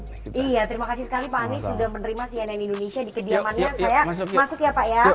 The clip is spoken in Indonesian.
terima kasih sekali pak anies sudah menerima sianian indonesia di kediamannya